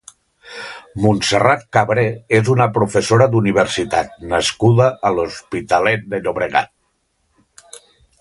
Montserrat Cabré és una professora d'universitat nascuda a l'Hospitalet de Llobregat.